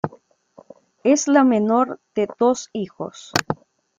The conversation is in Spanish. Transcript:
Es la menor de dos hijos.